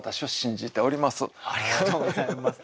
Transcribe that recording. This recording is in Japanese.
ありがとうございます。